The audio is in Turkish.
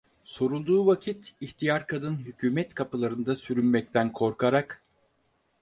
Sorulduğu vakit, ihtiyar kadın hükümet kapılarında sürünmekten korkarak: